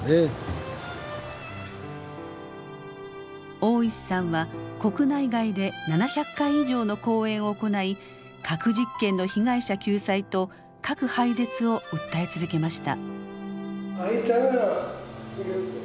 大石さんは国内外で７００回以上の講演を行い核実験の被害者救済と核廃絶を訴え続けました。